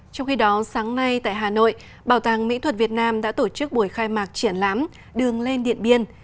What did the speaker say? trong khi đó sáng nay tại hà nội bảo tàng mỹ thuật việt nam đã tổ chức buổi khai mạc triển lãm đường lên điện biên